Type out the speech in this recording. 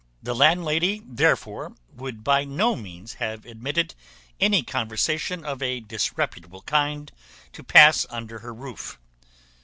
The landlady therefore would by no means have admitted any conversation of a disreputable kind to pass under her roof.